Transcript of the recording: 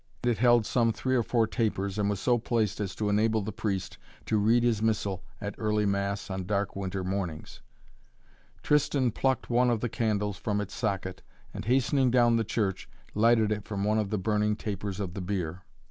It held some three or four tapers and was so placed as to enable the priest to read his missal at early Mass on dark winter mornings. Tristan plucked one of the candles from its socket and, hastening down the church, lighted it from one of the burning tapers of the bier.